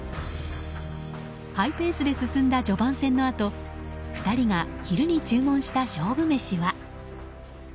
ハイペースで進んだ序盤戦のあと２人が昼に注文した勝負メシは。